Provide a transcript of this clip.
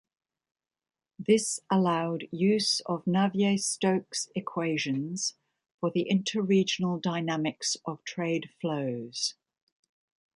This allowed use of Navier-Stokes equations for the interregional dynamics of trade flows.